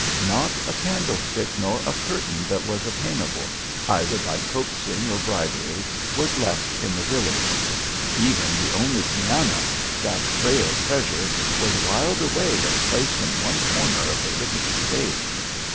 Not a candlestick nor a curtain that was attainable, either by coaxing or bribery, was left in the village; even the only piano, that frail treasure, was wiled away and placed in one corner of the rickety stage.